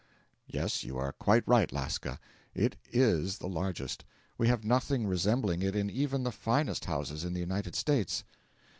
'Yes, you are quite right, Lasca; it is the largest; we have nothing resembling it in even the finest houses in the United States.'